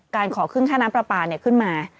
การขอขึ้นค่าน้ำปลาขึ้นมา